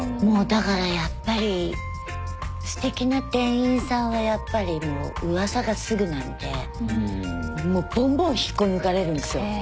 もうだからやっぱりすてきな店員さんはやっぱりもううわさがすぐなんでボンボン引っこ抜かれるんですよ。